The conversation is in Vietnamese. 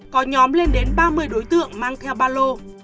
có nhóm lên đến ba mươi đối tượng mang theo ba lô